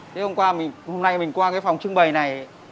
thế hôm nay mình qua cái phòng trưng bày này